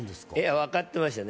分かってましたね。